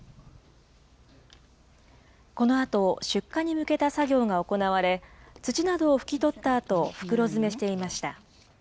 このあと、出荷に向けた作業が行われ、土などを拭き取ったあと、袋詰めしていました。